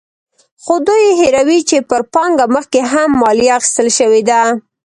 خو دوی هېروي چې پر پانګه مخکې هم مالیه اخیستل شوې ده.